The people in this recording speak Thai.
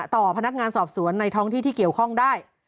ต่อพนักงานสอบสวนในท้องที่ที่เกี่ยวข้องได้